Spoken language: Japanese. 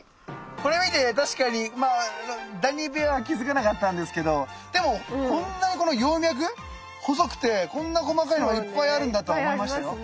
これ見て確かにダニ部屋は気付かなかったんですけどでもこんなにこの葉脈細くてこんな細かいのがいっぱいあるんだと思いましたよ。